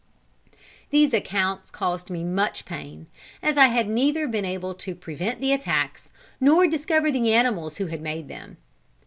These accounts caused me much pain, as I had neither been able to prevent the attacks, nor discover the animals who had made them.